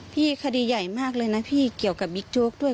คดีใหญ่มากเลยนะพี่เกี่ยวกับบิ๊กโจ๊กด้วย